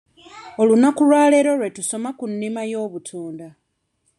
Olunaku lwaleero lwe tusoma ku nnima y'obutunda.